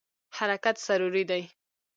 حرکت ضروري دی.